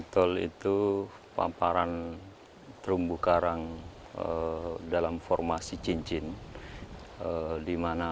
atol adalah hamparan terumbu karang dalam formasi cincin